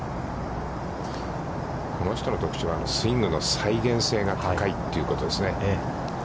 この人の特徴は、スイングの再現性が高いということですね。